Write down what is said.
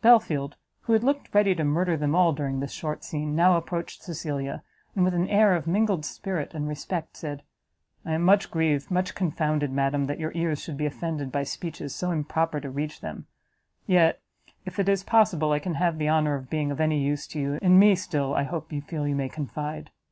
Belfield, who had, looked ready to murder them all during this short scene, now approached Cecilia, and with an air of mingled spirit and respect, said, "I am much grieved, much confounded, madam, that your ears should be offended by speeches so improper to reach them; yet if it is possible I can have the honour of being of any use to you, in me, still, I hope, you feel you may confide.